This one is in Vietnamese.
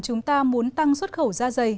chúng ta muốn tăng xuất khẩu da dày